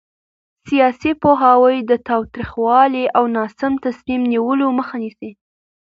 سیاسي پوهاوی د تاوتریخوالي او ناسم تصمیم نیولو مخه نیسي